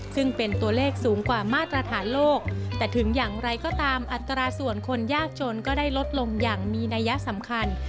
ซึ่งเป็นตัวเลขสูงกว่ามาตรฐานโลกแต่ถึงอย่างไรก็ตามอัตราส่วนคนยากจนก็ได้ลดลงอย่างมีนัยสำคัญ